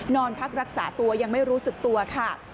นอนพักรักษาตัวยังไม่รู้สึกตัวค่ะ